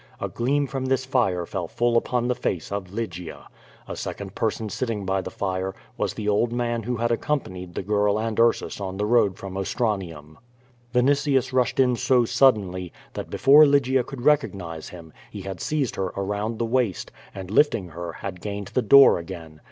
A gleam from this fire fell full upon the face of Lygia. A second person sitting by the fire, was the old man who had accompanied the girl and Ursus on the road from Ostranium. Vinitius rushed in so suddenly, that before Lygia could recognise him, he had seized her around the waist, and lifting her, had gained the door again.